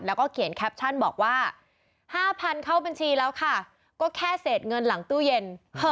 แล้วก็เขียนแคปชั่นบอกว่า๕๐๐เข้าบัญชีแล้วค่ะก็แค่เศษเงินหลังตู้เย็น